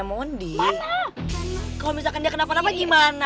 gue dicurangin sama tristan